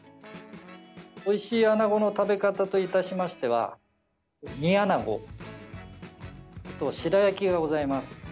おいしいアナゴの食べ方といたしましては煮アナゴと白焼きがございます。